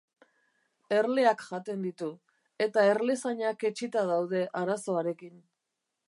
Erleak jaten ditu, eta erlezainak etsita daude arazoarekin.